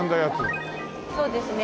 そうですね。